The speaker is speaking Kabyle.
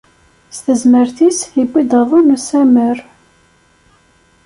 S tezmert-is, iwwi-d aḍu n usammer.